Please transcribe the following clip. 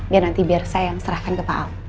biar nanti saya yang serahkan ke pak al